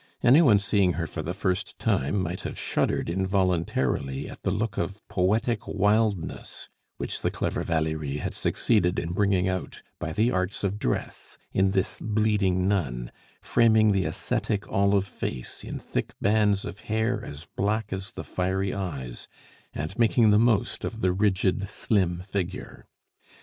Any one seeing her for the first time might have shuddered involuntarily at the look of poetic wildness which the clever Valerie had succeeded in bringing out by the arts of dress in this Bleeding Nun, framing the ascetic olive face in thick bands of hair as black as the fiery eyes, and making the most of the rigid, slim figure.